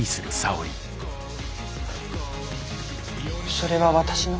それは私の。